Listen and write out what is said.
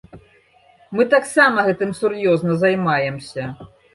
Мы таксама гэтым сур'ёзна займаемся.